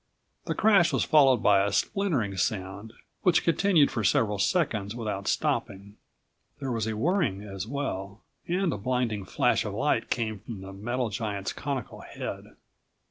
The crash was followed by a splintering sound which continued for several seconds without stopping. There was a whirring as well, and a blinding flash of light came from the metal giant's conical head.